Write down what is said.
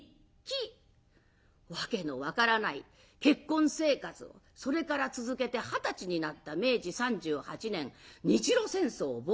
訳の分からない結婚生活をそれから続けて二十歳になった明治３８年日露戦争勃発。